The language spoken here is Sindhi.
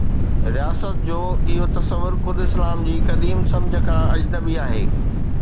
رياست جو اهو تصور خود اسلام جي قديم سمجھه کان اجنبي آهي.